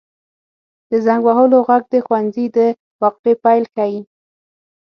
• د زنګ وهلو ږغ د ښوونځي د وقفې پیل ښيي.